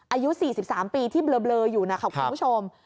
อายุ๔๓ปีที่เบลออยู่นะครับคุณผู้ชม